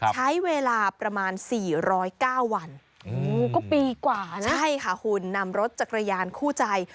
ใช้เวลาประมาณ๔๐๙วันก็ปีกว่านะใช่ค่ะคุณนำรถจักรยานคู่ใจ